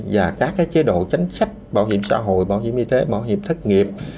và các cái chế độ chánh sách bảo hiểm xã hội bảo hiểm y tế bảo hiểm thất nghiệp